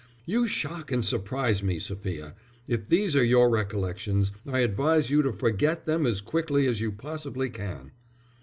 "You shock and surprise me, Sophia. If these are your recollections, I advise you to forget them as quickly as you possibly can."